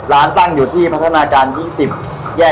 ร้านตั้งอยู่ที่พัฒนาการ๒๐แยก